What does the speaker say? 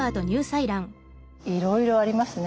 いろいろありますね。